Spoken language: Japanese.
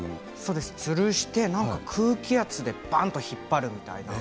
つるして空気圧でバン！と引っ張るみたいな。